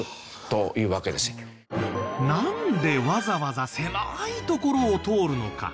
なんでわざわざ狭い所を通るのか？